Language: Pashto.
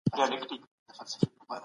هغه پرون خپله کتابچه نیمه وسوځوله.